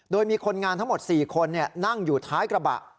โดยมีคนงานทั้งหมด๔คนนั่งอยู่ท้ายกระบะ